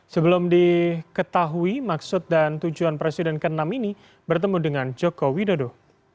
sebelum diketahui maksud dan tujuan presiden ke enam ini bertemu dengan joko widodo